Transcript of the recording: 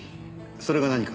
それが何か？